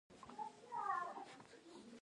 قومونه د افغان ځوانانو د هیلو استازیتوب کوي.